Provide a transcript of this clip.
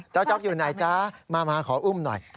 เจ้าเจ้าอยู่ไหนจ๊ะมาขออุ้มหน่อย